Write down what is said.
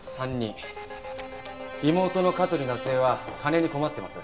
妹の香取夏江は金に困ってます。